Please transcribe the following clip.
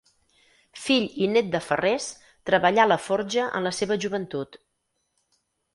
Fill i nét de ferrers, treballà la forja en la seva joventut.